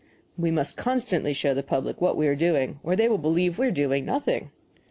We must constantly show the public what we are doing, or they will believe we are doing nothing.